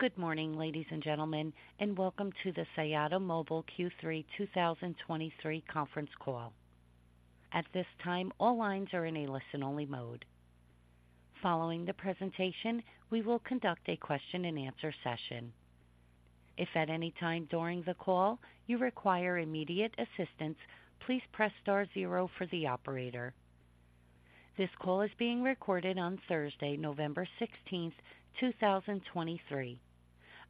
Good morning, ladies and gentlemen, and welcome to the Siyata Mobile Q3 2023 Conference Call. At this time, all lines are in a listen-only mode. Following the presentation, we will conduct a question and answer session. If at any time during the call you require immediate assistance, please press star zero for the operator. This call is being recorded on Thursday, November 16th, 2023.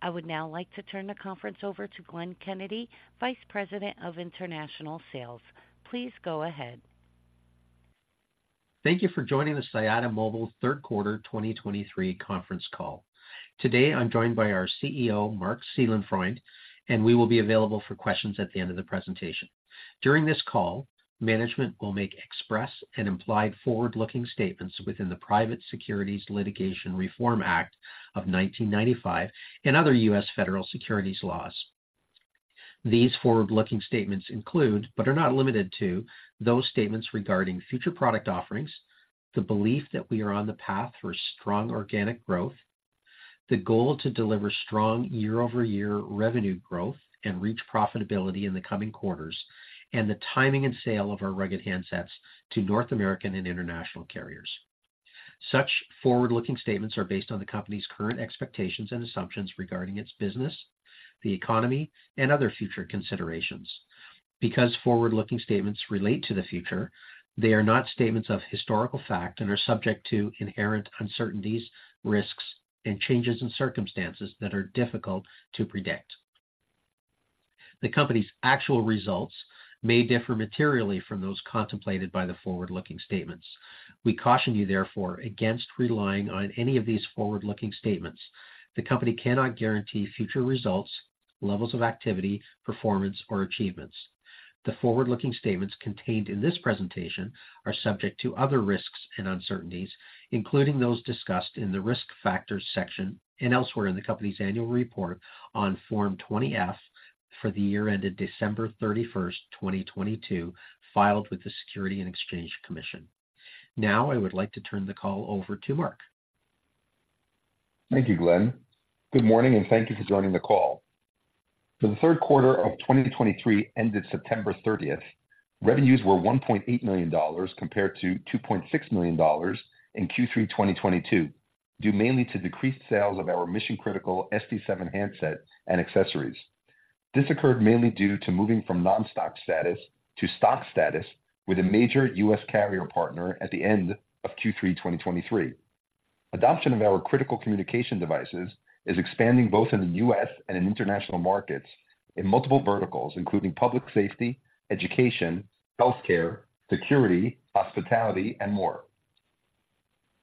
I would now like to turn the conference over to Glenn Kennedy, Vice President of International Sales. Please go ahead. Thank you for joining the Siyata Mobile Third Quarter 2023 Conference Call. Today, I'm joined by our CEO, Marc Seelenfreund, and we will be available for questions at the end of the presentation. During this call, management will make express and implied forward-looking statements within the Private Securities Litigation Reform Act of 1995 and other U.S. federal securities laws. These forward-looking statements include, but are not limited to, those statements regarding future product offerings, the belief that we are on the path for strong organic growth, the goal to deliver strong year-over-year revenue growth and reach profitability in the coming quarters, and the timing and sale of our rugged handsets to North American and international carriers. Such forward-looking statements are based on the company's current expectations and assumptions regarding its business, the economy, and other future considerations. Because forward-looking statements relate to the future, they are not statements of historical fact and are subject to inherent uncertainties, risks, and changes in circumstances that are difficult to predict. The company's actual results may differ materially from those contemplated by the forward-looking statements. We caution you, therefore, against relying on any of these forward-looking statements. The Company cannot guarantee future results, levels of activity, performance, or achievements. The forward-looking statements contained in this presentation are subject to other risks and uncertainties, including those discussed in the Risk Factors section and elsewhere in the Company's Annual Report on Form 20-F for the year ended December 31st, 2022, filed with the Securities and Exchange Commission. Now, I would like to turn the call over to Marc. Thank you, Glenn. Good morning, and thank you for joining the call. For the third quarter of 2023, ended September 30th, revenues were $1.8 million compared to $2.6 million in Q3 2022, due mainly to decreased sales of our mission-critical SD7 handset and accessories. This occurred mainly due to moving from non-stock status to stock status with a major U.S. carrier partner at the end of Q3 2023. Adoption of our critical communication devices is expanding both in the U.S. and in international markets in multiple verticals, including public safety, education, healthcare, security, hospitality, and more.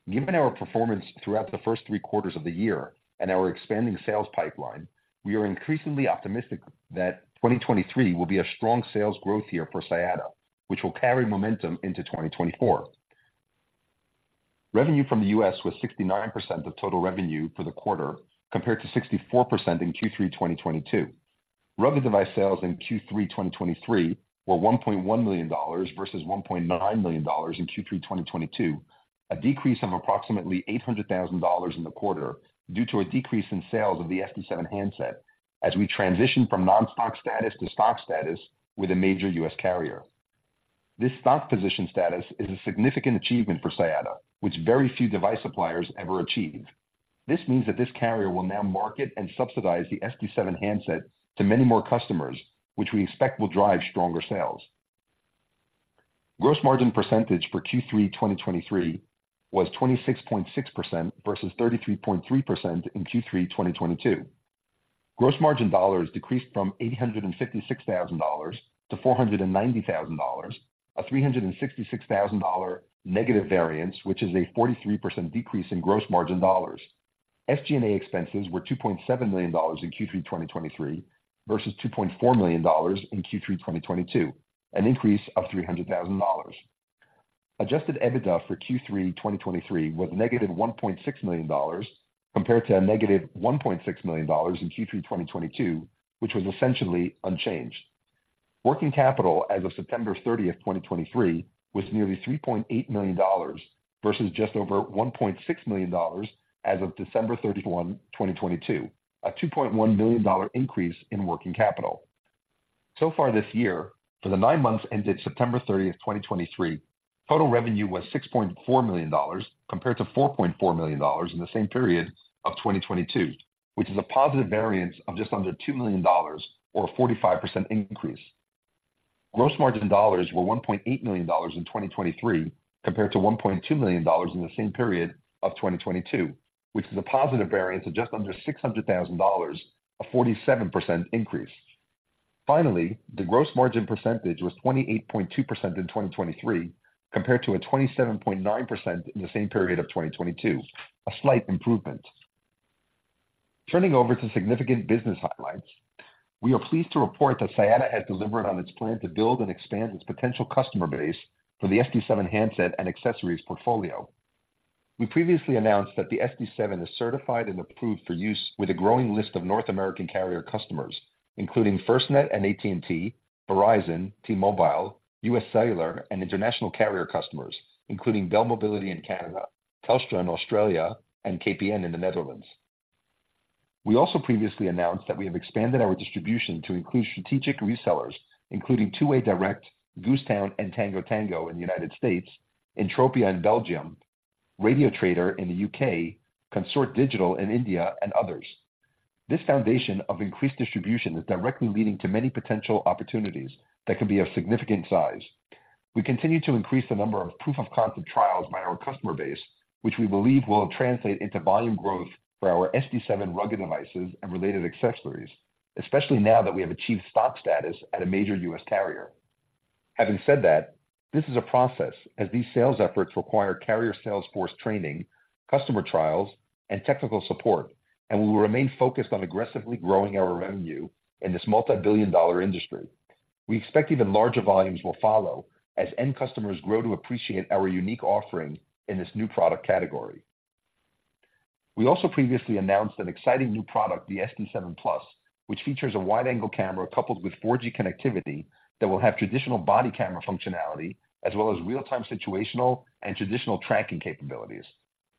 Given our performance throughout the first three quarters of the year and our expanding sales pipeline, we are increasingly optimistic that 2023 will be a strong sales growth year for Siyata, which will carry momentum into 2024. Revenue from the U.S. was 69% of total revenue for the quarter, compared to 64% in Q3 2022. Rugged device sales in Q3 2023 were $1.1 million versus $1.9 million in Q3 2022, a decrease of approximately $800,000 in the quarter due to a decrease in sales of the SD7 handset as we transition from non-stock status to stock status with a major U.S. carrier. This stock position status is a significant achievement for Siyata, which very few device suppliers ever achieve. This means that this carrier will now market and subsidize the SD7 handset to many more customers, which we expect will drive stronger sales. Gross margin percentage for Q3 2023 was 26.6% versus 33.3% in Q3 2022. Gross margin dollars decreased from $856,000 to $490,000, a $366,000 negative variance, which is a 43% decrease in gross margin dollars. SG&A expenses were $2.7 million in Q3 2023, versus $2.4 million in Q3 2022, an increase of $300,000. Adjusted EBITDA for Q3 2023 was negative $1.6 million, compared to a negative $1.6 million in Q3 2022, which was essentially unchanged. Working capital as of September 30th, 2023, was nearly $3.8 million versus just over $1.6 million as of December 31, 2022, a $2.1 million increase in working capital. So far this year, for the nine months ended September 30, 2023, total revenue was $6.4 million, compared to $4.4 million in the same period of 2022, which is a positive variance of just under $2 million or a 45% increase. Gross margin dollars were $1.8 million in 2023, compared to $1.2 million in the same period of 2022, which is a positive variance of just under $600,000, a 47% increase. Finally, the gross margin percentage was 28.2% in 2023, compared to a 27.9% in the same period of 2022, a slight improvement. Turning over to significant business highlights, we are pleased to report that Siyata has delivered on its plan to build and expand its potential customer base for the SD7 handset and accessories portfolio. We previously announced that the SD7 is certified and approved for use with a growing list of North American carrier customers, including FirstNet and AT&T, Verizon, T-Mobile, U.S. Cellular, and international carrier customers, including Bell Mobility in Canada, Telstra in Australia, and KPN in the Netherlands. We also previously announced that we have expanded our distribution to include strategic resellers, including Two Way Direct, Goosetown, and Tango Tango in the United States, Entropia in Belgium, Radio Trader in the UK, Consort Digital in India, and others. This foundation of increased distribution is directly leading to many potential opportunities that could be of significant size. We continue to increase the number of proof-of-concept trials by our customer base, which we believe will translate into volume growth for our SD7 rugged devices and related accessories, especially now that we have achieved stock status at a major U.S. carrier. Having said that, this is a process as these sales efforts require carrier sales force training, customer trials, and technical support, and we will remain focused on aggressively growing our revenue in this multibillion-dollar industry. We expect even larger volumes will follow as end customers grow to appreciate our unique offering in this new product category. We also previously announced an exciting new product, the SD7 Plus, which features a wide-angle camera coupled with 4G connectivity that will have traditional body camera functionality, as well as real-time situational and traditional tracking capabilities.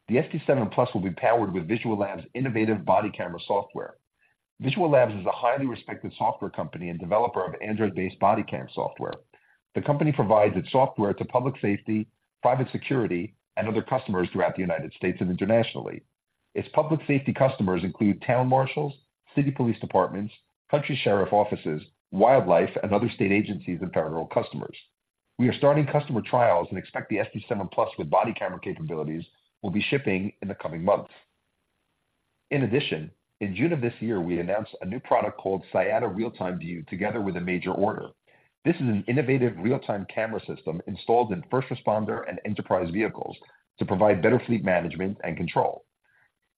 The SD7 Plus will be powered with Visual Labs' innovative body camera software. Visual Labs is a highly respected software company and developer of Android-based body cam software. The company provides its software to public safety, private security, and other customers throughout the United States and internationally. Its public safety customers include town marshals, city police departments, county sheriff offices, wildlife, and other state agencies, and federal customers. We are starting customer trials and expect the SD7 Plus with body camera capabilities will be shipping in the coming months. In addition, in June of this year, we announced a new product called Siyata Real Time View, together with a major order. This is an innovative real-time camera system installed in first responder and enterprise vehicles to provide better fleet management and control.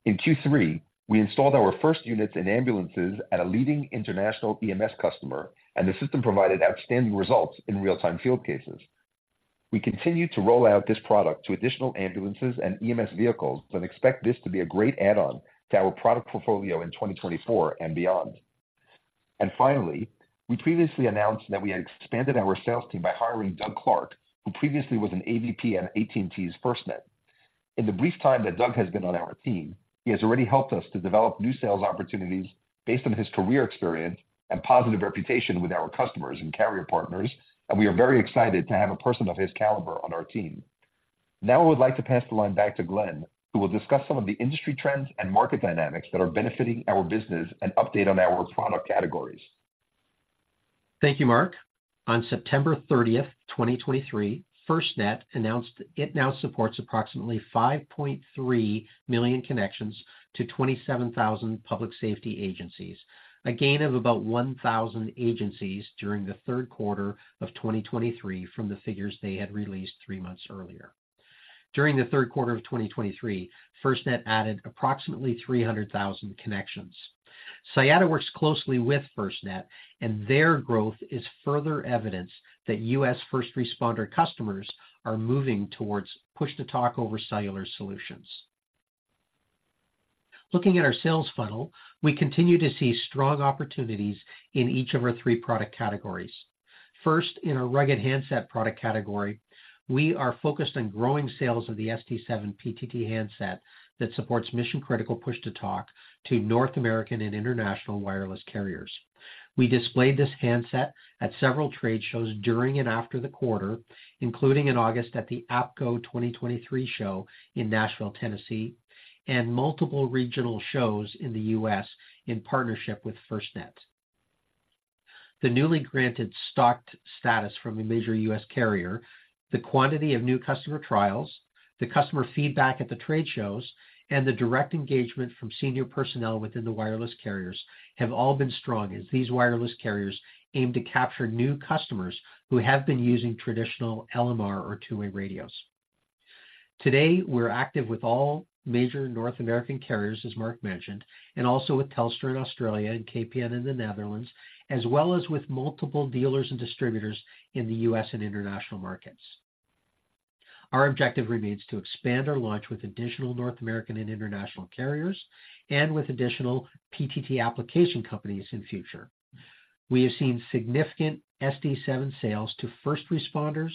In Q3, we installed our first units in ambulances at a leading international EMS customer, and the system provided outstanding results in real-time field cases. We continue to roll out this product to additional ambulances and EMS vehicles and expect this to be a great add-on to our product portfolio in 2024 and beyond. And finally, we previously announced that we had expanded our sales team by hiring Doug Clark, who previously was an AVP at AT&T's FirstNet. In the brief time that Doug has been on our team, he has already helped us to develop new sales opportunities based on his career experience and positive reputation with our customers and carrier partners, and we are very excited to have a person of his caliber on our team. Now, I would like to pass the line back to Glenn, who will discuss some of the industry trends and market dynamics that are benefiting our business, and update on our product categories. Thank you, Marc. On September 30th, 2023, FirstNet announced it now supports approximately 5.3 million connections to 27,000 public safety agencies, a gain of about 1,000 agencies during the third quarter of 2023 from the figures they had released three months earlier. During the third quarter of 2023, FirstNet added approximately 300,000 connections. Siyata works closely with FirstNet, and their growth is further evidence that U.S. first responder customers are moving towards push-to-talk over cellular solutions. Looking at our sales funnel, we continue to see strong opportunities in each of our three product categories. First, in our rugged handset product category, we are focused on growing sales of the SD7 PTT handset that supports mission-critical push-to-talk to North American and international wireless carriers. We displayed this handset at several trade shows during and after the quarter, including in August at the APCO 2023 show in Nashville, Tennessee, and multiple regional shows in the U.S. in partnership with FirstNet. The newly granted stocked status from a major U.S. carrier, the quantity of new customer trials, the customer feedback at the trade shows, and the direct engagement from senior personnel within the wireless carriers have all been strong as these wireless carriers aim to capture new customers who have been using traditional LMR or two-way radios. Today, we're active with all major North American carriers, as Marc mentioned, and also with Telstra in Australia and KPN in the Netherlands, as well as with multiple dealers and distributors in the U.S. and international markets. Our objective remains to expand our launch with additional North American and international carriers and with additional PTT application companies in future. We have seen significant SD7 sales to first responders,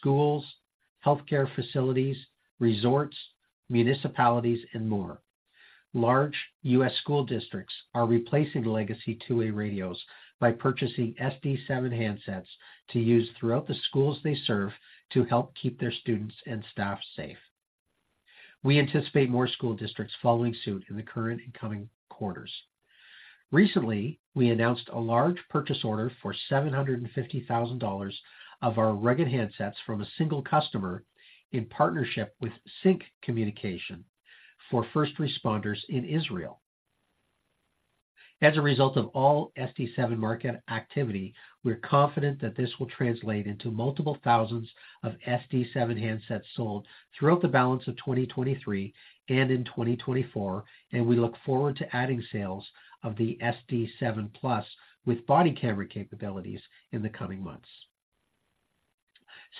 schools, healthcare facilities, resorts, municipalities, and more. Large U.S. school districts are replacing legacy two-way radios by purchasing SD7 handsets to use throughout the schools they serve to help keep their students and staff safe. We anticipate more school districts following suit in the current and coming quarters. Recently, we announced a large purchase order for $750,000 of our rugged handsets from a single customer in partnership with Sync Communications for first responders in Israel. As a result of all SD7 market activity, we're confident that this will translate into multiple thousands of SD7 handsets sold throughout the balance of 2023 and in 2024, and we look forward to adding sales of the SD7 Plus with body camera capabilities in the coming months.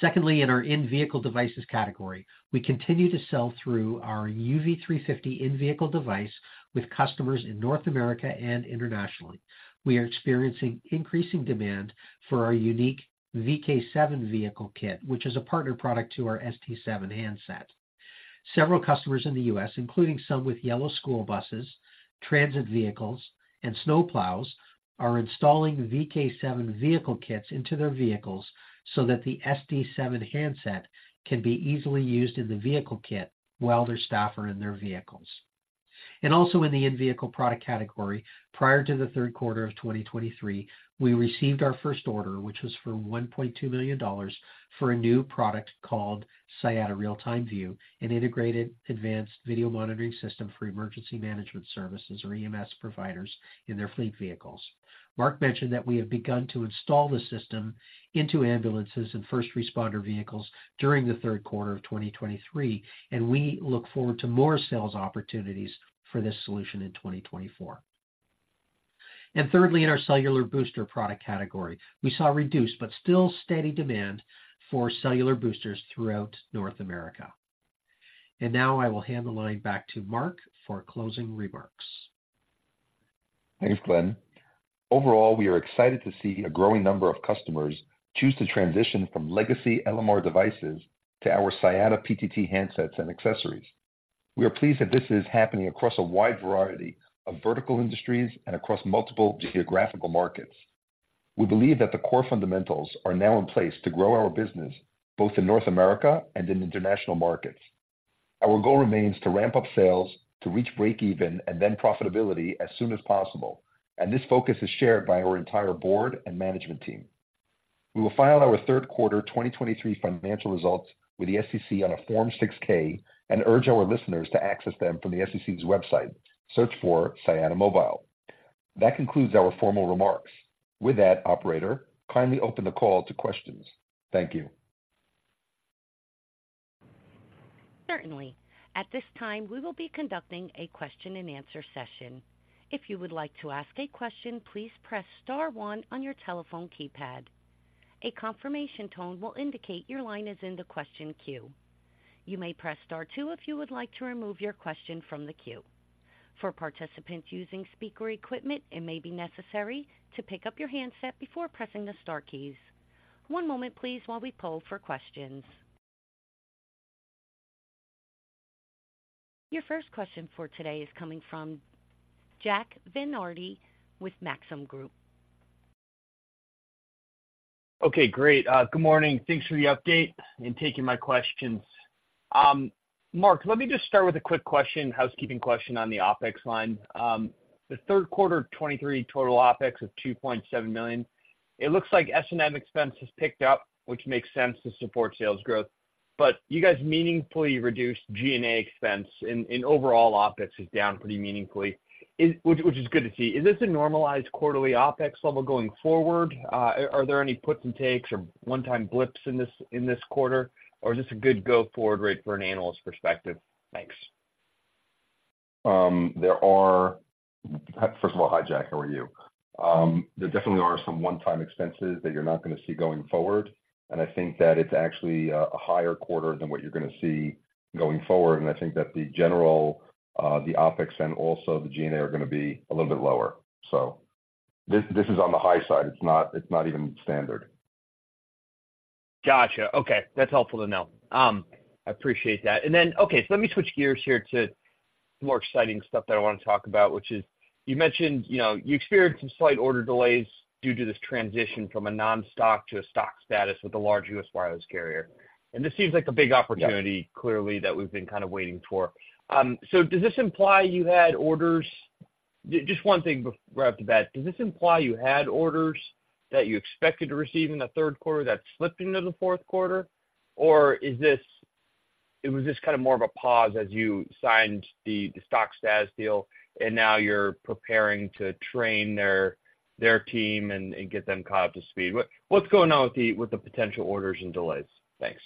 Secondly, in our in-vehicle devices category, we continue to sell through our UV350 in-vehicle device with customers in North America and internationally. We are experiencing increasing demand for our unique VK7 vehicle kit, which is a partner product to our SD7 handset. Several customers in the U.S., including some with yellow school buses, transit vehicles, and snowplows, are installing VK7 vehicle kits into their vehicles so that the SD7 handset can be easily used in the vehicle kit while their staff are in their vehicles. Also in the in-vehicle product category, prior to the third quarter of 2023, we received our first order, which was for $1.2 million for a new product called Siyata Real Time View, an integrated advanced video monitoring system for emergency management services or EMS providers in their fleet vehicles. Marc mentioned that we have begun to install the system into ambulances and first responder vehicles during the third quarter of 2023, and we look forward to more sales opportunities for this solution in 2024. Thirdly, in our cellular booster product category, we saw reduced but still steady demand for cellular boosters throughout North America. Now I will hand the line back to Marc for closing remarks. Thanks, Glenn. Overall, we are excited to see a growing number of customers choose to transition from legacy LMR devices to our Siyata PTT handsets and accessories. We are pleased that this is happening across a wide variety of vertical industries and across multiple geographical markets. We believe that the core fundamentals are now in place to grow our business, both in North America and in international markets. Our goal remains to ramp up sales, to reach breakeven and then profitability as soon as possible, and this focus is shared by our entire board and management team. We will file our third quarter 2023 financial results with the SEC on a Form 6-K and urge our listeners to access them from the SEC's website. Search for Siyata Mobile. That concludes our formal remarks. With that, operator, kindly open the call to questions. Thank you. Certainly. At this time, we will be conducting a question-and-answer session. If you would like to ask a question, please press star one on your telephone keypad. A confirmation tone will indicate your line is in the question queue. You may press star two if you would like to remove your question from the queue. For participants using speaker equipment, it may be necessary to pick up your handset before pressing the star keys. One moment please, while we poll for questions. Your first question for today is coming from Jack Vander Aarde with Maxim Group. Okay, great. Good morning. Thanks for the update and taking my questions. Marc, let me just start with a quick question, housekeeping question on the OpEx line. The third quarter of 2023, total OpEx of $2.7 million, it looks like S&M expense has picked up, which makes sense to support sales growth. But you guys meaningfully reduced G&A expense and, and overall OpEx is down pretty meaningfully, which is good to see. Is this a normalized quarterly OpEx level going forward? Are there any puts and takes or one-time blips in this quarter? Or is this a good go-forward rate for an analyst perspective? Thanks. First of all, hi, Jack, how are you? There definitely are some one-time expenses that you're not going to see going forward, and I think that it's actually a higher quarter than what you're going to see going forward. And I think that the general, the OpEx and also the G&A are going to be a little bit lower. So this is on the high side. It's not even standard. Gotcha. Okay, that's helpful to know. I appreciate that. Okay, so let me switch gears here to more exciting stuff that I want to talk about, which is you mentioned, you know, you experienced some slight order delays due to this transition from a non-stock to a stock status with a large U.S. wireless carrier. And this seems like a big opportunity- Yeah. Clearly that we've been kind of waiting for. So does this imply you had orders? Just one thing right off the bat, does this imply you had orders that you expected to receive in the third quarter that slipped into the fourth quarter? Or is this, it was just kind of more of a pause as you signed the Stock Status deal, and now you're preparing to train their team and get them caught up to speed? What's going on with the potential orders and delays? Thanks.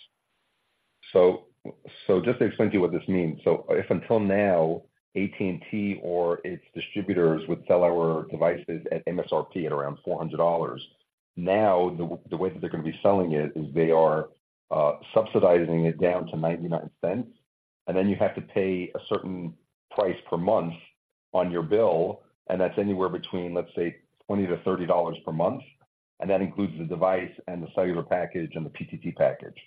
So just to explain to you what this means. So if until now, AT&T or its distributors would sell our devices at MSRP at around $400, now, the way that they're going to be selling it is they are subsidizing it down to $0.99, and then you have to pay a certain price per month on your bill, and that's anywhere between, let's say, $20-$30 per month, and that includes the device and the cellular package and the PTT package.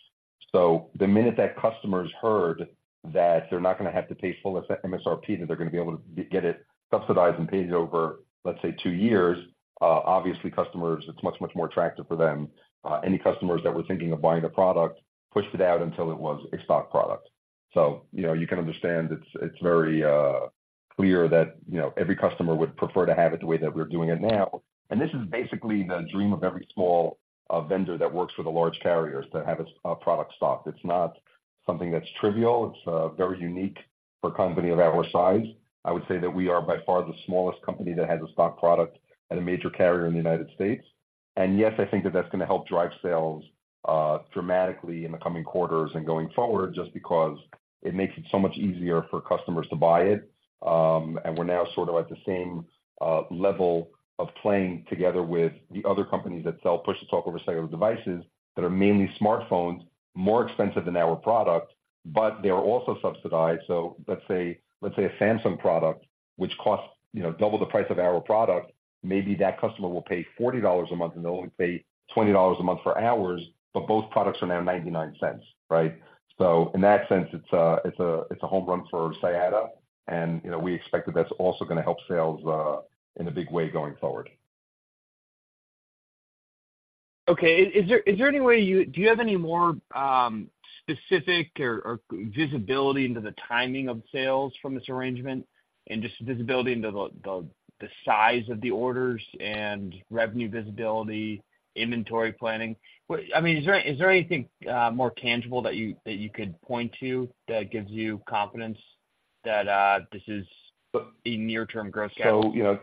So the minute that customers heard that they're not going to have to pay full MSRP, that they're going to be able to get it subsidized and paid over, let's say, two years, obviously, customers, it's much, much more attractive for them. Any customers that were thinking of buying the product pushed it out until it was a stock product. So you know, you can understand it's very clear that, you know, every customer would prefer to have it the way that we're doing it now. And this is basically the dream of every small vendor that works with the large carriers to have a product stocked. It's not something that's trivial. It's very unique for a company of our size. I would say that we are by far the smallest company that has a stock product and a major carrier in the United States. And yes, I think that that's going to help drive sales dramatically in the coming quarters and going forward, just because it makes it so much easier for customers to buy it. And we're now sort of at the same level of playing together with the other companies that sell push-to-talk over cellular devices that are mainly smartphones, more expensive than our product, but they are also subsidized. So let's say, let's say a Samsung product, which costs, you know, double the price of our product, maybe that customer will pay $40 a month and they'll only pay $20 a month for ours, but both products are now $0.99, right? So in that sense, it's a home run for Siyata, and you know, we expect that that's also going to help sales in a big way going forward. Okay. Is there any way, do you have any more specific or visibility into the timing of sales from this arrangement? And just visibility into the size of the orders and revenue visibility, inventory planning? I mean, is there anything more tangible that you could point to that gives you confidence that this is a near-term growth gap? So, you know,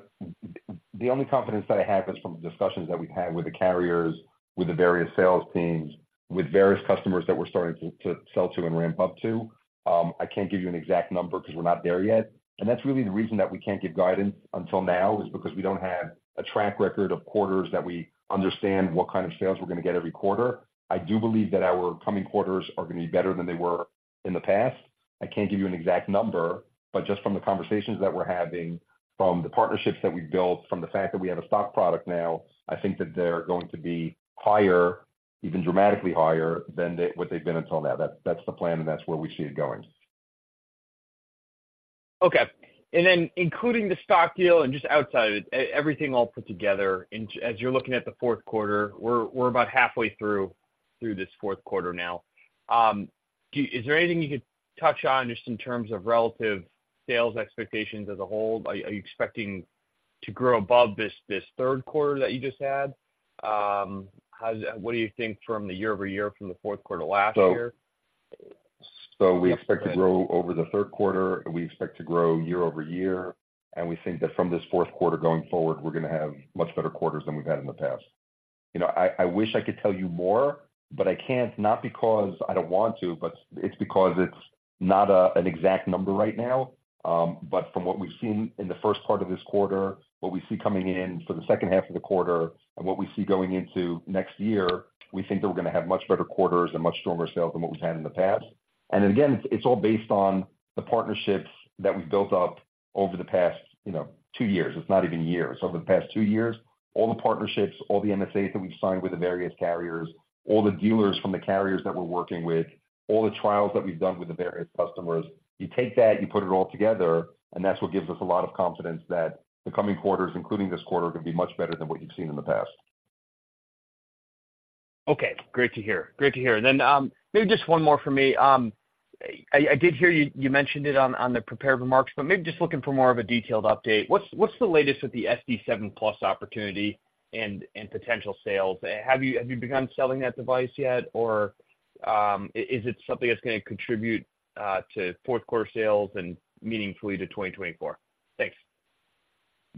the only confidence that I have is from the discussions that we've had with the carriers, with the various sales teams, with various customers that we're starting to sell to and ramp up to. I can't give you an exact number because we're not there yet, and that's really the reason that we can't give guidance until now, is because we don't have a track record of quarters that we understand what kind of sales we're gonna get every quarter. I do believe that our coming quarters are gonna be better than they were in the past. I can't give you an exact number, but just from the conversations that we're having, from the partnerships that we've built, from the fact that we have a stock product now, I think that they're going to be higher, even dramatically higher than they- what they've been until now. That's, that's the plan, and that's where we see it going. Okay. And then, including the stock deal and just outside of it, everything all put together into... As you're looking at the fourth quarter, we're about halfway through this fourth quarter now. Is there anything you could touch on just in terms of relative sales expectations as a whole? Are you expecting to grow above this third quarter that you just had? How does that—what do you think from the year-over-year from the fourth quarter last year? So we expect to grow over the third quarter, and we expect to grow year-over-year, and we think that from this fourth quarter going forward, we're gonna have much better quarters than we've had in the past. You know, I wish I could tell you more, but I can't. Not because I don't want to, but it's because it's not an exact number right now. But from what we've seen in the first part of this quarter, what we see coming in for the second half of the quarter, and what we see going into next year, we think that we're gonna have much better quarters and much stronger sales than what we've had in the past. And again, it's all based on the partnerships that we've built up over the past, you know, two years. It's not even years, over the past two years. All the partnerships, all the MSAs that we've signed with the various carriers, all the dealers from the carriers that we're working with, all the trials that we've done with the various customers, you take that, you put it all together, and that's what gives us a lot of confidence that the coming quarters, including this quarter, are gonna be much better than what you've seen in the past. Okay. Great to hear, great to hear. And then, maybe just one more from me. I did hear you. You mentioned it on the prepared remarks, but maybe just looking for more of a detailed update. What's the latest with the SD7 Plus opportunity and potential sales? Have you begun selling that device yet, or is it something that's gonna contribute to fourth quarter sales and meaningfully to 2024? Thanks.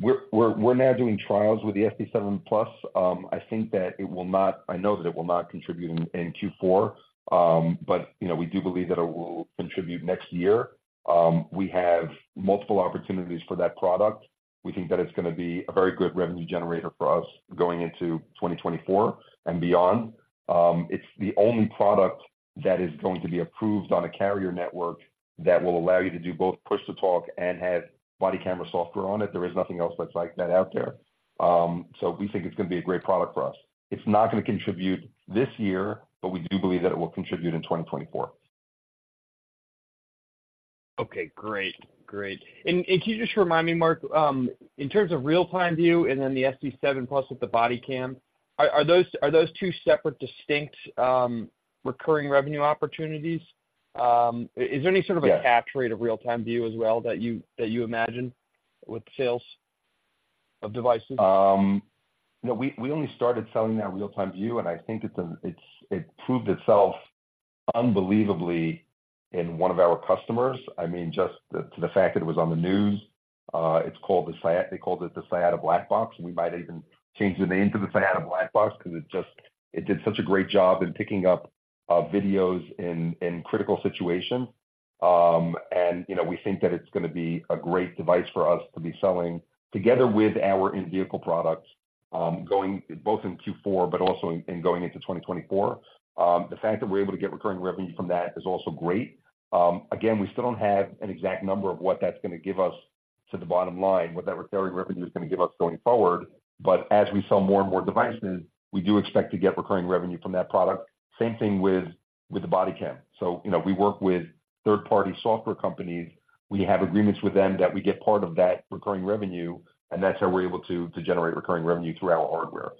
We're now doing trials with the SD7 Plus. I think that it will not... I know that it will not contribute in Q4. But, you know, we do believe that it will contribute next year. We have multiple opportunities for that product. We think that it's gonna be a very good revenue generator for us going into 2024 and beyond. It's the only product that is going to be approved on a carrier network that will allow you to do both push-to-talk and have body camera software on it. There is nothing else that's like that out there. So we think it's gonna be a great product for us. It's not gonna contribute this year, but we do believe that it will contribute in 2024. Okay, great. Great. And can you just remind me, Marc, in terms of Real Time View and then the SD7 Plus with the body cam, are those two separate, distinct, recurring revenue opportunities? Is there any sort of- Yeah.... a catch rate of Real Time View as well, that you imagine with sales of devices? No, we only started selling our Real Time View, and I think it's- it proved itself unbelievably in one of our customers. I mean, just the fact that it was on the news, it's called the Siyata. They called it the Siyata Black Box. We might even change the name to the Siyata Black Box because it just did such a great job in picking up videos in critical situations. And, you know, we think that it's gonna be a great device for us to be selling together with our in-vehicle products, going both in Q4 but also going into 2024. The fact that we're able to get recurring revenue from that is also great. Again, we still don't have an exact number of what that's gonna give us to the bottom line, what that recurring revenue is gonna give us going forward, but as we sell more and more devices, we do expect to get recurring revenue from that product. Same thing with the body cam. So, you know, we work with third-party software companies. We have agreements with them that we get part of that recurring revenue, and that's how we're able to generate recurring revenue through our hardware.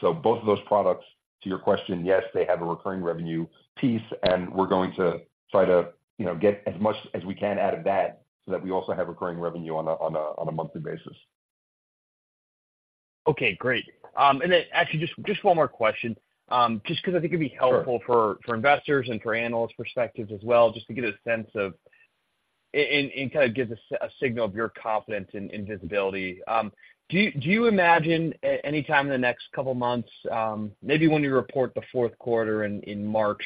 So both of those products, to your question, yes, they have a recurring revenue piece, and we're going to try to, you know, get as much as we can out of that, so that we also have recurring revenue on a monthly basis. Okay, great. And then actually just, just one more question, just because I think it'd be helpful- Sure.... for investors and for analyst perspectives as well, just to get a sense of, and kind of give us a signal of your confidence in visibility. Do you imagine anytime in the next couple of months, maybe when you report the fourth quarter in March,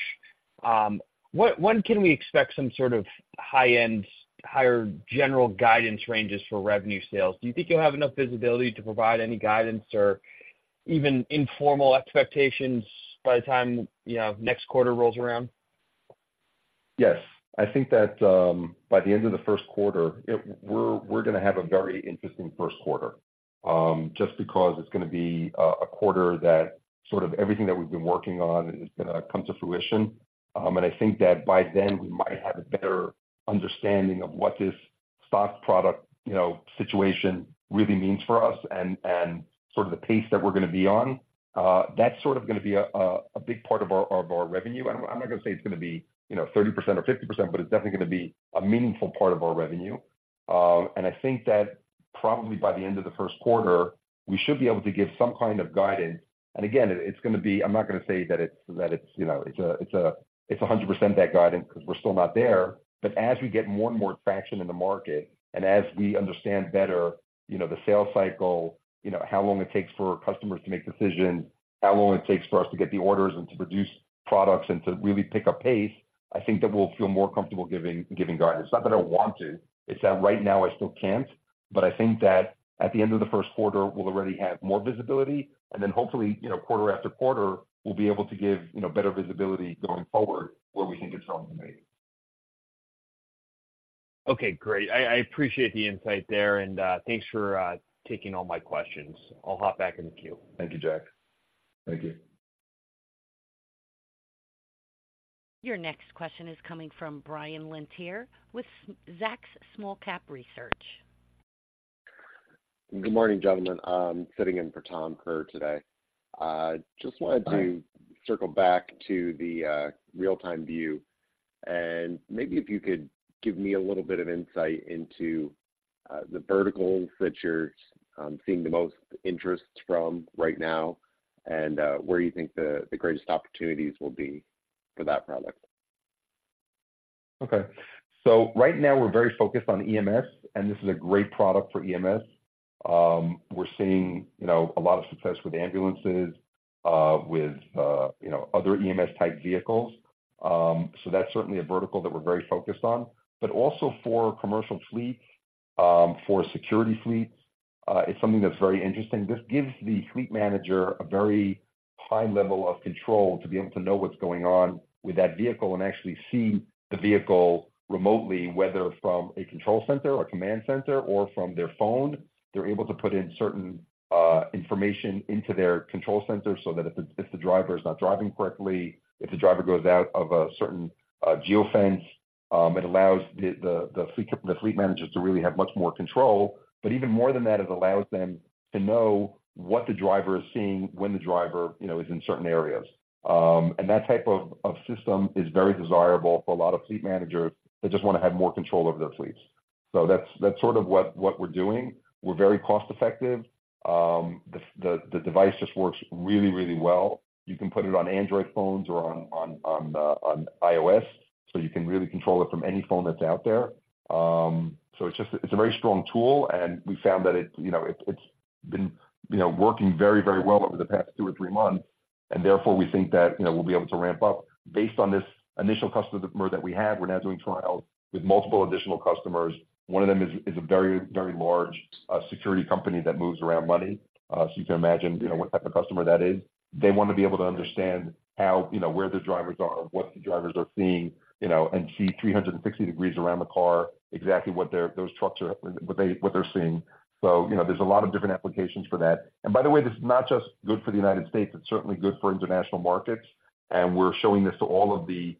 when can we expect some sort of high-end, higher general guidance ranges for revenue sales? Do you think you'll have enough visibility to provide any guidance or even informal expectations by the time, you know, next quarter rolls around? Yes. I think that by the end of the first quarter, we're gonna have a very interesting first quarter. Just because it's gonna be a quarter that sort of everything that we've been working on is gonna come to fruition. And I think that by then, we might have a better understanding of what this stocked product situation really means for us and sort of the pace that we're gonna be on, that's sort of gonna be a big part of our revenue. I'm not gonna say it's gonna be, you know, 30% or 50%, but it's definitely gonna be a meaningful part of our revenue. And I think that probably by the end of the first quarter, we should be able to give some kind of guidance. And again, it's gonna be—I'm not gonna say that it's, you know, it's 100% that guidance, because we're still not there. But as we get more and more traction in the market, and as we understand better, you know, the sales cycle, you know, how long it takes for customers to make decisions, how long it takes for us to get the orders and to produce products and to really pick up pace, I think that we'll feel more comfortable giving guidance. It's not that I want to, it's that right now I still can't. But I think that at the end of the first quarter, we'll already have more visibility, and then hopefully, you know, quarter after quarter, we'll be able to give, you know, better visibility going forward where we can get some money. Okay, great. I appreciate the insight there, and thanks for taking all my questions. I'll hop back in the queue. Thank you, Jack. Thank you. Your next question is coming from Brian Lantier with Zacks Small Cap Research. Good morning, gentlemen. I'm sitting in for Tom Kerr today. Just wanted to- Hi, Brian. Circle back to the real-time view, and maybe if you could give me a little bit of insight into the verticals that you're seeing the most interests from right now, and where you think the greatest opportunities will be for that product. Okay. So right now, we're very focused on EMS, and this is a great product for EMS. We're seeing, you know, a lot of success with ambulances, with, you know, other EMS-type vehicles. So that's certainly a vertical that we're very focused on, but also for commercial fleets, for security fleets, it's something that's very interesting. This gives the fleet manager a very high level of control to be able to know what's going on with that vehicle and actually see the vehicle remotely, whether from a control center or command center or from their phone. They're able to put in certain information into their control center so that if the driver is not driving correctly, if the driver goes out of a certain geofence, it allows the fleet managers to really have much more control. But even more than that, it allows them to know what the driver is seeing when the driver, you know, is in certain areas. And that type of system is very desirable for a lot of fleet managers that just wanna have more control over their fleets. So that's sort of what we're doing. We're very cost-effective. The device just works really, really well. You can put it on Android phones or on iOS, so you can really control it from any phone that's out there. So it's just, it's a very strong tool, and we found that it, you know, it's, it's been, you know, working very, very well over the past two or three months, and therefore, we think that, you know, we'll be able to ramp up. Based on this initial customer that we had, we're now doing trials with multiple additional customers. One of them is a very, very large security company that moves around money. So you can imagine, you know, what type of customer that is. They want to be able to understand how... you know, where the drivers are, what the drivers are seeing, you know, and see 360 degrees around the car, exactly what their, those trucks are, what they, what they're seeing. So, you know, there's a lot of different applications for that. By the way, this is not just good for the United States, it's certainly good for international markets, and we're showing this to all of the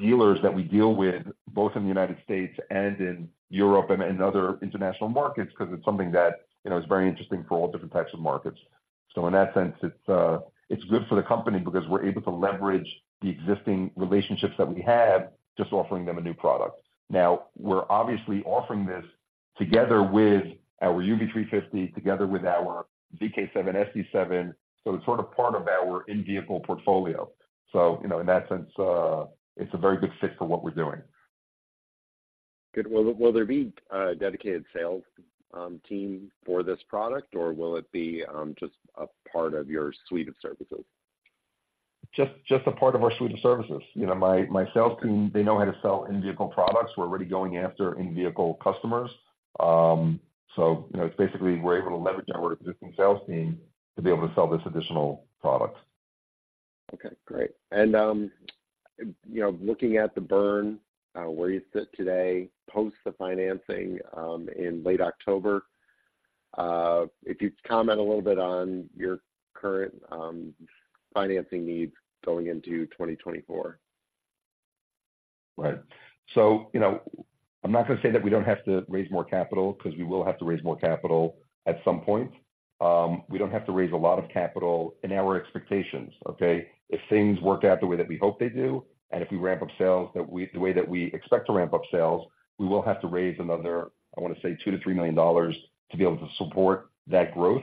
dealers that we deal with, both in the United States and in Europe and other international markets, because it's something that, you know, is very interesting for all different types of markets. So in that sense, it's good for the company because we're able to leverage the existing relationships that we have, just offering them a new product. Now, we're obviously offering this together with our UV350, together with our VK7, SD7, so it's sort of part of our in-vehicle portfolio. So, you know, in that sense, it's a very good fit for what we're doing. Good. Will, will there be a dedicated sales team for this product, or will it be just a part of your suite of services? Just a part of our suite of services. You know, my sales team, they know how to sell in-vehicle products. We're already going after in-vehicle customers. So you know, it's basically, we're able to leverage our existing sales team to be able to sell this additional product. Okay, great. You know, looking at the burn, where you sit today, post the financing, in late October, if you'd comment a little bit on your current financing needs going into 2024? Right. So, you know, I'm not gonna say that we don't have to raise more capital, because we will have to raise more capital at some point. We don't have to raise a lot of capital in our expectations, okay? If things work out the way that we hope they do, and if we ramp up sales, the way that we expect to ramp up sales, we will have to raise another, I want to say, $2 million-$3 million to be able to support that growth.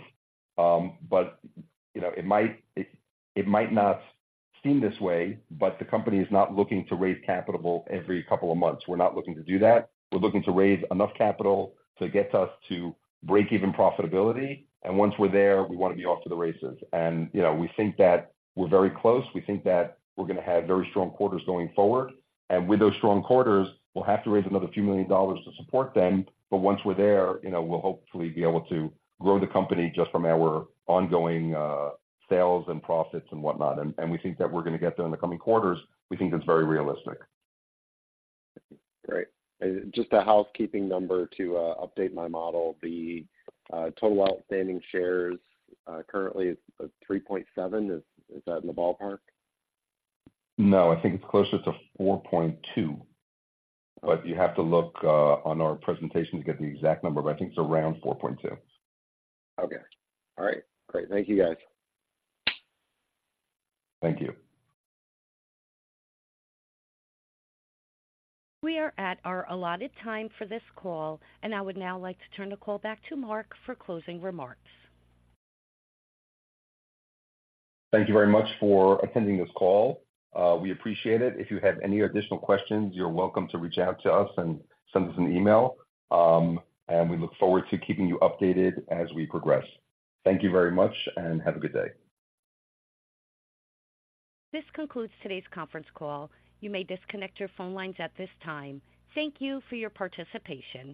But, you know, it might not seem this way, but the company is not looking to raise capital every couple of months. We're not looking to do that. We're looking to raise enough capital to get us to break even profitability, and once we're there, we want to be off to the races. You know, we think that we're very close. We think that we're gonna have very strong quarters going forward, and with those strong quarters, we'll have to raise another few million dollars to support them. But once we're there, you know, we'll hopefully be able to grow the company just from our ongoing sales and profits and whatnot. And, and we think that we're gonna get there in the coming quarters. We think it's very realistic. Great. Just a housekeeping number to update my model, the total outstanding shares currently is 3.7%. Is that in the ballpark? No, I think it's closer to 4.2%, but you have to look on our presentation to get the exact number, but I think it's around 4.2%. Okay. All right, great. Thank you, guys. Thank you. We are at our allotted time for this call, and I would now like to turn the call back to Marc for closing remarks. Thank you very much for attending this call. We appreciate it. If you have any additional questions, you're welcome to reach out to us and send us an email. We look forward to keeping you updated as we progress. Thank you very much, and have a good day. This concludes today's conference call. You may disconnect your phone lines at this time. Thank you for your participation.